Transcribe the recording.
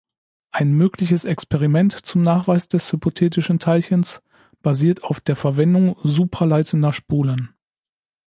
Ein mögliches Experiment zum Nachweis des hypothetischen Teilchens basiert auf der Verwendung supraleitender Spulen.